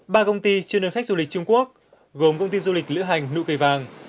ba công ty chuyên nâng khách du lịch trung quốc gồm công ty du lịch lữ hành nụ cười vàng